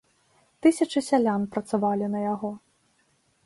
Тысячы сялян працавалі на яго.